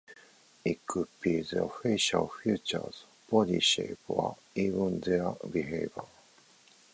It could be their facial features, body shape, or even their behavior.